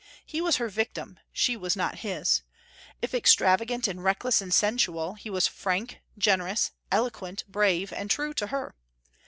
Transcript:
He was her victim; she was not his. If extravagant and reckless and sensual, he was frank, generous, eloquent, brave, and true to her.